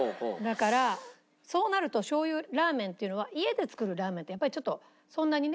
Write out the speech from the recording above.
だからそうなるとしょう油ラーメンっていうのは家で作るラーメンってやっぱりちょっとそんなにね。